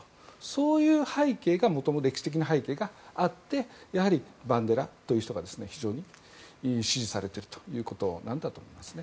そういうもともと歴史的な背景があってやはり、バンデラという人が非常に支持されているということなんだと思います。